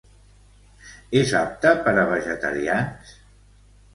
És apte per a vegetarians?